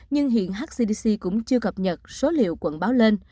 nhưng hiện hcdc cũng chưa cập nhật số liệu quận báo lên